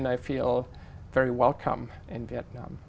tôi thích món ăn việt nam